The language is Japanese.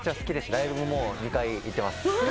ライブも２回行ってます。